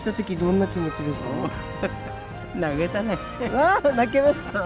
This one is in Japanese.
わあ泣けました？